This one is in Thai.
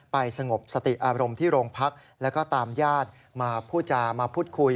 ไปสงบสติอารมณ์ที่โรงพักและก็ตามญาติมาพูดคุย